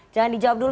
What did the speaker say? jangan dijawab dulu